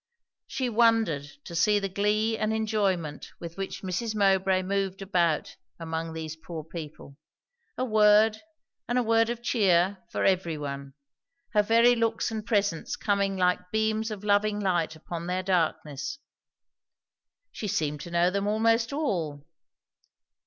She wondered to see the glee and enjoyment with which Mrs. Mowbray moved about among these poor people; a word, and a word of cheer, for every one; her very looks and presence coming like beams of loving light upon their darkness. She seemed to know them almost all.